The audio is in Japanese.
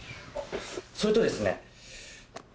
それとですね。